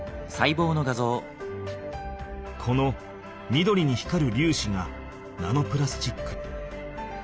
この緑に光るりゅうしがナノプラスチック。